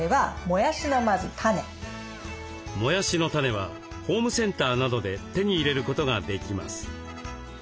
もやしのタネはホームセンターなどで手に入れることができます。